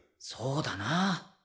そうだなあ。